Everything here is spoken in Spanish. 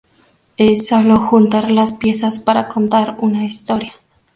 Es solo juntar las piezas para contar una historia.